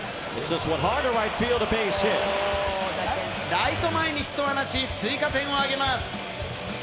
ライト前にヒットを放ち、追加点を挙げます。